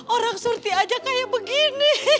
orang surti aja kayak begini